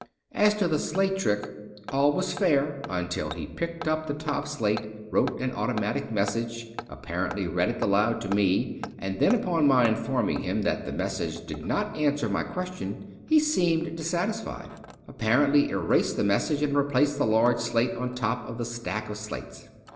As to the slate trick, all was fair until he picked up the top slate, wrote an automatic message, apparently read it aloud to me, and then upon my informing him that the mes sage did not answer my question, he seemed dissatisfied, apparently erased the message, and replaced the Ijarge slate on top of the stack of slates.